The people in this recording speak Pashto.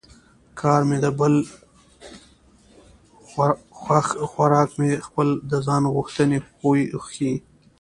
کار مې د بل خوښ خوراک مې خپل د ځان غوښتنې خوی ښيي